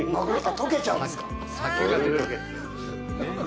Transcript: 溶けちゃうんですか。